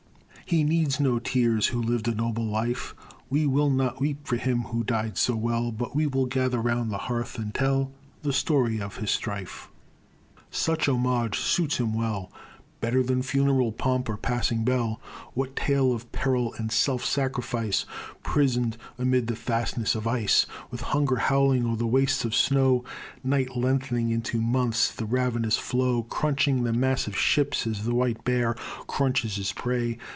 He needs no tears, who lived a noble life; We will not weep for him who died so well, But we will gather round the hearth, and tell The story of his strife; Such homage suits him well, Better than funeral pomp or passing bell. What tale of peril and self sacrifice! Prison'd amid the fastnesses of ice, With hunger howling o'er the wastes of snow! Night lengthening into months, the ravenous floe Crunching the massive ships, as the white bear Crunches his prey.